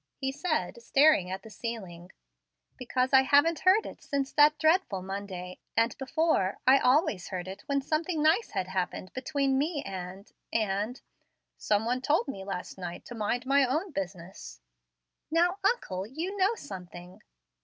he said, staring at the ceiling. "Because I haven't heard it since that dreadful Monday, and before I always heard it when something nice had happened between me and and " "Some one told me last night to mind my own business." "Now, uncle, you know something."